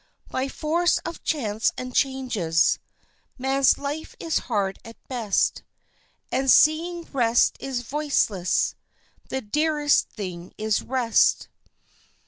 By force of chance and changes Man's life is hard at best; And, seeing rest is voiceless, The dearest thing is rest.